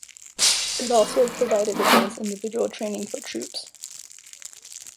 It also provided advanced individual training for troops.